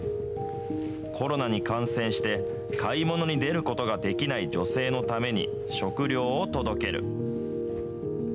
コロナに感染して、買い物に出ることができない女性のために、食料を届ける。